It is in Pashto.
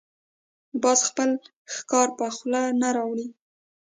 باز خپل ښکار په خوله نه راوړي